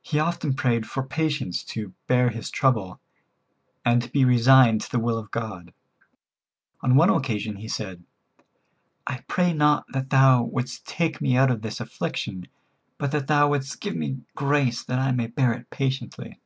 He often prayed for patience to bear his trouble, and to be resigned to the will of God. On one occasion he said: "I pray not that thou wouldst take me out of this affliction, but that thou wouldst give me grace that I may bear it patiently."